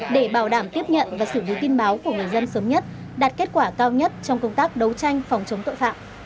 để bảo đảm tiếp nhận và xử lý tin báo của người dân sớm nhất đạt kết quả cao nhất trong công tác đấu tranh phòng chống tội phạm